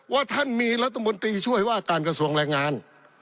ว่าท่านมีรัฐมนตรีช่วยว่าการกระทรวงแรงงาน